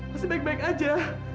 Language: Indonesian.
pasti baik baik aja